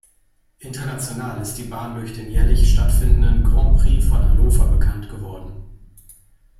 International ist die Bahn durch den jährlich stattfindenden "Grand-Prix von Hannover" bekannt geworden.